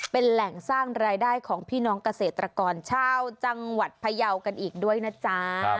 เป็นแหล่งสร้างรายได้ของพี่น้องเกษตรกรชาวจังหวัดพยาวกันอีกด้วยนะจ๊ะ